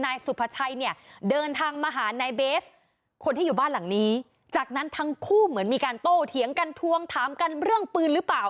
นายสุภาชัยเนี่ยเดินทางมาหานายเบสคนที่อยู่บ้านหลังนี้จากนั้นทั้งคู่เหมือนมีการโต้เถียงกันทวงถามกันเรื่องปืนหรือเปล่า